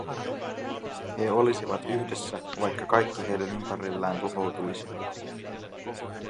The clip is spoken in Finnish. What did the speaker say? He olisivat yhdessä, vaikka kaikki heidän ympärillään tuhoutuisi.